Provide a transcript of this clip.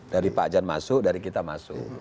dari pak jan masuk dari kita masuk